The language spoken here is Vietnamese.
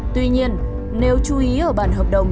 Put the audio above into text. tuy nhiên nếu chú ý ở bàn hợp đồng